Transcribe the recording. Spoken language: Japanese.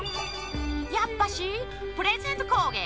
やっぱしプレゼントこうげき！